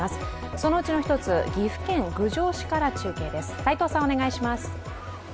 そのうちの一つ、岐阜県郡上市から中継です。